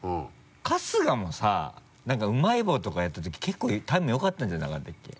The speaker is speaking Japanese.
春日もさ何かうまい棒とかやったとき結構タイムよかったんじゃなかったっけ？